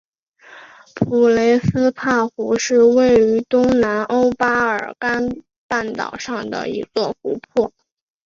普雷斯帕湖是位于东南欧巴尔干半岛上的一个湖泊。